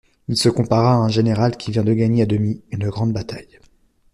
Il se compara à un général qui vient de gagner à demi une grande bataille.